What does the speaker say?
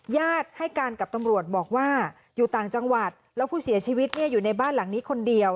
ญาติให้การกับตำรวจบอกว่าอยู่ต่างจังหวัดแล้วผู้เสียชีวิตอยู่ในบ้านหลังนี้คนเดียว